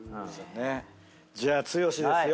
じゃあ剛ですよ。